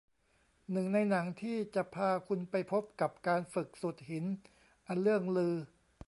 หนี่งในหนังที่จะพาคุณไปพบกับการฝึกสุดหินอันเลื่องลือ